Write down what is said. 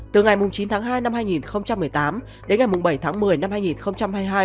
từ ngày chín tháng hai năm hai nghìn một mươi tám đến ngày bảy tháng một mươi năm hai nghìn hai mươi hai